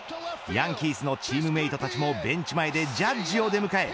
ヤンキースのチームメートたちもベンチ前でジャッジを出迎え